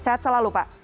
sehat selalu pak